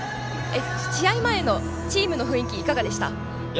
試合前のチームの雰囲気いかがでした？